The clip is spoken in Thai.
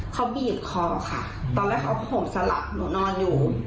เค้าบีบคอค่ะตอนแรกเค้าเอาผ้าห่มสลับหนูนอนอยู่